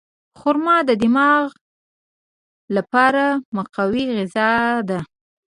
خرما د دماغ لپاره مقوي غذا ده.